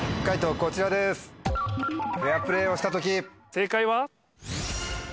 正解は？